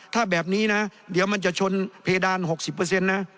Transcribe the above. ถ้าแบบนี้นะเดี๋ยวมันจะชนเพดาน๖๐นะ